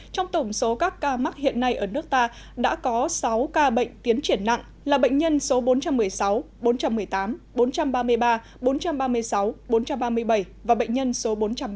trong tổng số các ca mắc hiện nay ở nước ta đã có sáu ca bệnh tiến triển nặng là bệnh nhân số bốn trăm một mươi sáu bốn trăm một mươi tám bốn trăm ba mươi ba bốn trăm ba mươi sáu bốn trăm ba mươi bảy và bệnh nhân số bốn trăm ba mươi